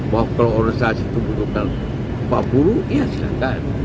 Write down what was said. bahwa kalau organisasi itu butuhkan empat puluh ya silahkan